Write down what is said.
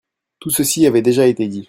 Tout ceci avait déjà été dit.